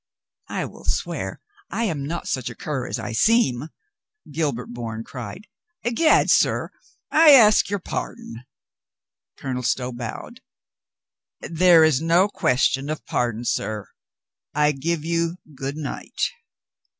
"I will swear I am not such a cur as I seem," Gil bert Bourne cried. "I'gad, sir, I ask your pardon." Colonel Stow bowed. "There is no question of pardon, sir. I give you good night."